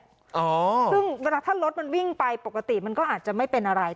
ซึ่งเวลาถ้ารถมันวิ่งไปปกติมันก็อาจจะไม่เป็นอะไร